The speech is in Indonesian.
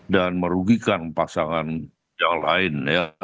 dan merugikan pasangan yang lain